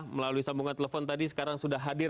melalui sambungan telepon tadi sekarang sudah hadir